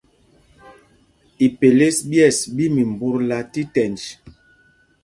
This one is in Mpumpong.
Ipelês ɓyes ɓí mimbutla tí tɛnj.